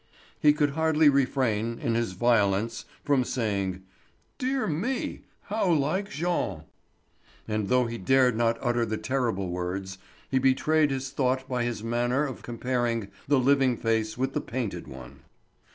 He could hardly refrain, in his violence, from saying: "Dear me! How like Jean!" And though he dared not utter the terrible words, he betrayed his thought by his manner of comparing the living face with the painted one.